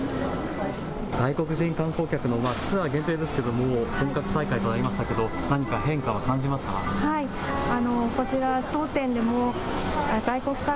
外国人観光客のツアー限定ですけども本格再開となりましたけど何か変化は感じますか？